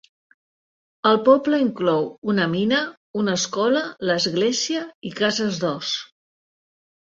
El poble inclou una mina, una escola, l'església i cases d'ós.